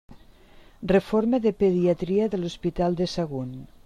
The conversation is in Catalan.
Reforma de pediatria de l'Hospital de Sagunt.